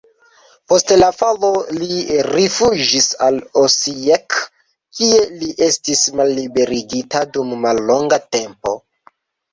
Post la falo li rifuĝis al Osijek, kie li estis malliberigita dum mallonga tempo.